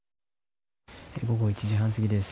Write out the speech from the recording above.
午後１時半過ぎです。